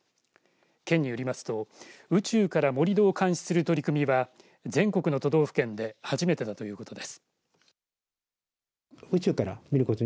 県によりますと宇宙から盛り土を監視する取り組みは全国の都道府県で初めてだということです。